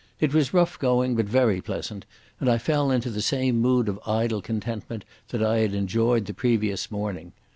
It was rough going, but very pleasant, and I fell into the same mood of idle contentment that I had enjoyed the previous morning.